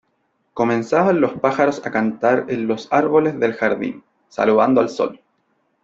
comenzaban los pájaros a cantar en los árboles del jardín , saludando al sol ,